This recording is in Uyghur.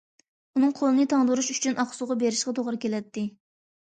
ئۇنىڭ قولىنى تاڭدۇرۇش ئۈچۈن ئاقسۇغا بېرىشقا توغرا كېلەتتى.